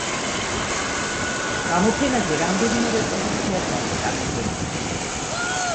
გამოფენაზე რამდენიმე რეპროდუქციაც არის წარმოდგენილი.